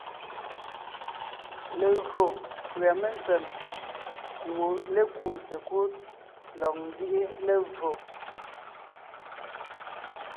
Legÿo pʉ́a mentsèm kuʼu lékúu sekúd lɔg nzíʼi levfò,